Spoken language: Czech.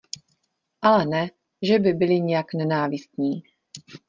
Ale ne, že by byli nějak nenávistní.